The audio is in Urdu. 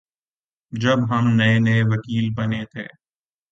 جب ہم نئے نئے وکیل بنے تھے